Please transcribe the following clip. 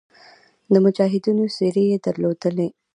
د مجاهدینو څېرې یې درلودې.